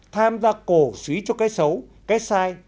tham gia cổ suý cho cái xấu cái sai